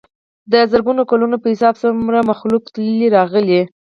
دَ زرګونو کلونو پۀ حساب څومره مخلوق تلي راغلي